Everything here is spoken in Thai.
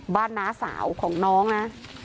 น้าสาวของน้องนะ